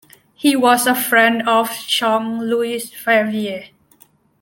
He was a friend of Jean-Louis Favier.